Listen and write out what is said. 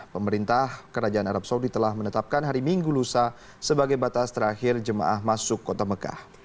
pemerintah kerajaan arab saudi telah menetapkan hari minggu lusa sebagai batas terakhir jemaah masuk kota mekah